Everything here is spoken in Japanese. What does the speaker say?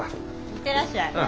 行ってらっしゃい。